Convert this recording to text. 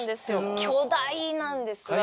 巨大なんですが。